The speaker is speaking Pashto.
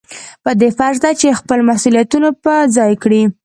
په ده فرض دی چې خپل مسؤلیتونه په ځای کړي.